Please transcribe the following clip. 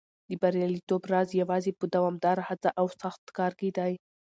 د بریالیتوب راز یوازې په دوامداره هڅه او سخت کار کې دی.